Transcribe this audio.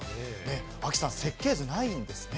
亜希さん、設計図ないんですね。